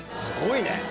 すごいね。